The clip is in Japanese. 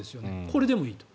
これでもいいと。